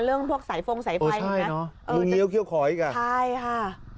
เรื่องพวกสายฟงสายไฟเหมือนกันมึงเงี๊ยวเขี้ยวขออีกอ่ะใช่ค่ะ